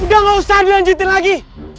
udah gak usah dilanjutin lagi